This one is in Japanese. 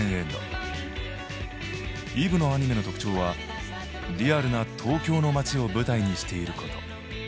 Ｅｖｅのアニメの特徴はリアルな東京の街を舞台にしていること。